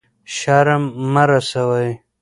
شر مه رسوئ.